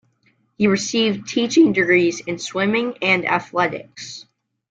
He received teaching degrees in swimming and athletics.